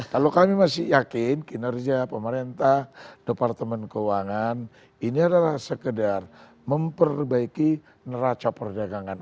kalau kami masih yakin kinerja pemerintah departemen keuangan ini adalah sekedar memperbaiki neraca perdagangan